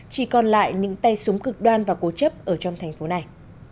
chỉ còn lại những tay súng cực đoan và cố chấp ở trong thành phố này